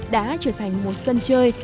đã trở thành một sân chơi